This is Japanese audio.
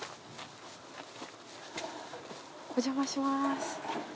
お邪魔します。